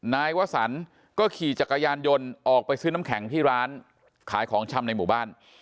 นายวสันก็ขี่จักรยานยนต์ออกไปซื้อน้ำแข็งที่ร้านขายของชำในหมู่บ้าน